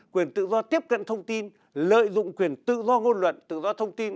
quyền tự do tiếp cận thông tin lợi dụng quyền tự do ngôn luận tự do thông tin